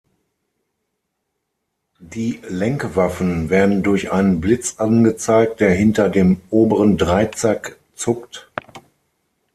Die Lenkwaffen werden durch einen Blitz angezeigt, der hinter dem oberen Dreizack zuckt.